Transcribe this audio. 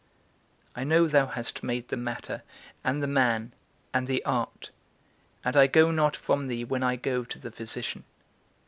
I know thou hast made the matter, and the man, and the art; and I go not from thee when I go to the physician.